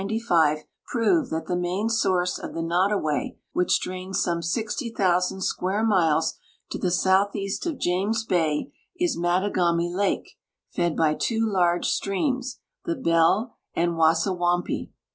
o jiroved that the main source of the Noddawai, which drains some fi0,00() square miles to the southeast of .lames bajq is Mattagami lake, fed by two large streams, the Bell and W'asawampi.